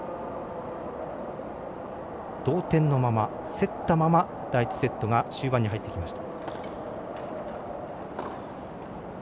同点のまま、競ったまま第１セットの終盤に入りました。